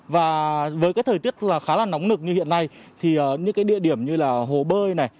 và với thời tiết khá là nóng nực như hiện nay thì những địa điểm như hồ bơi